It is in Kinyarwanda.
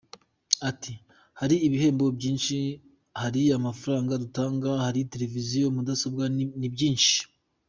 Ati “Hari ibihembo byinshi; hari amafaranga dutanga, hari televiziyo, mudasobwa, ni byinshi.